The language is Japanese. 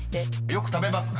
［よく食べますか？］